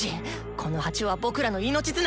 この鉢は僕らの命綱！